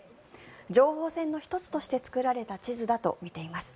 情報戦の１つとして作られた地図だとみています。